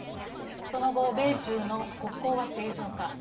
その後、米中の国交は正常化。